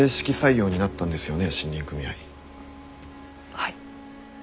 はい。